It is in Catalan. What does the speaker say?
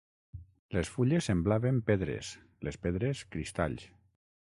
Les fulles semblaven pedres, les pedres cristalls